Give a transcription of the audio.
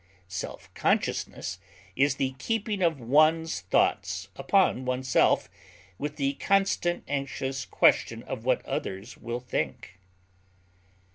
Self consciousness is the keeping of one's thoughts upon oneself, with the constant anxious question of what others will think.